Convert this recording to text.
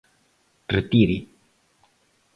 Retire.